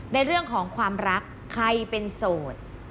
ในเรื่องของความรักใครเป็นโสด